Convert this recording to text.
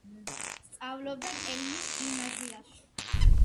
სწავლობდა კელნის გიმნაზიაში.